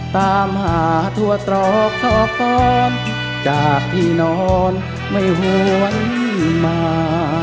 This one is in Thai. ตามหาทั่วตรอกซอกฟ้อนจากที่นอนไม่หวนมา